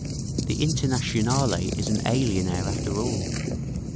The Internationale is an alien air, after all.